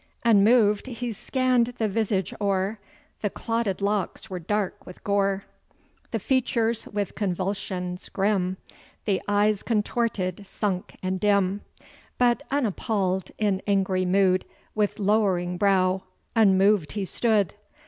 Unmoved he scann'd the visage o'er, The clotted locks were dark with gore, The features with convulsion grim, The eyes contorted, sunk, and dim. But unappall'd, in angry mood, With lowering brow, unmoved he stood.